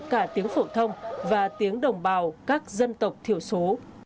cả tiếng phổ thông và tiếng đồng bào các dân tộc thiểu số